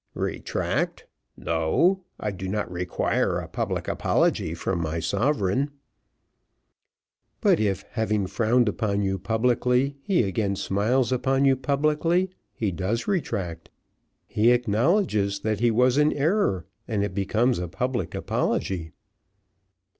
"Retract! no I do not require a public apology from my sovereign." "But if having frowned upon you publicly, he again smiles upon you publicly, he does retract. He acknowledges that he was in error, and it becomes a public apology."